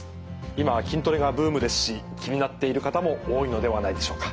今は筋トレがブームですし気になっている方も多いのではないでしょうか。